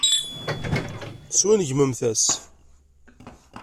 Swingmemt-as.